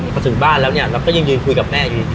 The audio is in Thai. พอถึงบ้านแล้วเนี่ยเราก็ยังยืนคุยกับแม่อยู่